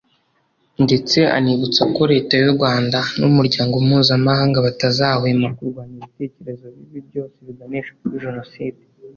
ndetse anibutsa ko Leta y’u Rwanda n’Umuryango mpuzamahanga batazahwema kurwanya ibitekerezo bibi byose biganisha kuri Jenoside